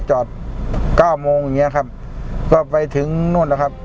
จอดเก้าโมงอย่างเงี้ยครับก็ไปถึงนู่นแล้วครับ